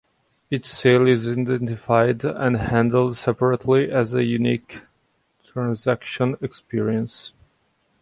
Each sale is identified and handled separately as a unique transaction experience.